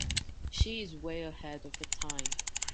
She is way ahead of her time.